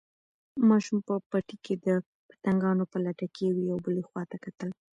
ماشوم په پټي کې د پتنګانو په لټه کې یوې او بلې خواته کتل.